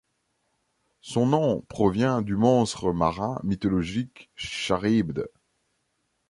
Son nom provient du monstre marin mythologique Charybde.